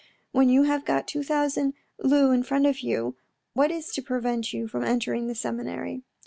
When you have got two hundred louis in front of you, what is to prevent you from entering the seminary